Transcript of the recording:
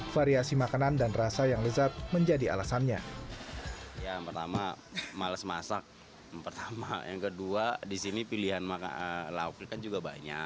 variasi makanan dan rasa yang lezat menjadi alasannya